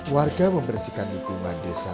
warga membersihkan hibuman desa